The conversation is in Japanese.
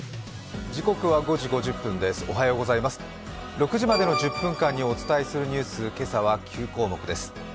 ６時までの１０分間にお伝えするニュース、今朝は９項目です。